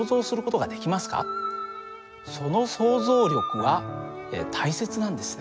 その想像力は大切なんですね。